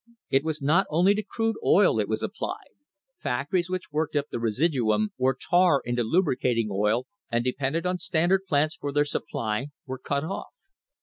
It was not only to crude oil it was applied. Factories which worked up the residuum or tar into lubricating oil and depended on Standard plants for their supply were cut off.